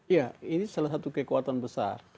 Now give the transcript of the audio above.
ya ini salah satu kekuatan besar